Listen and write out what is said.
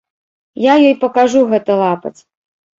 Я ёй пакажу гэты лапаць!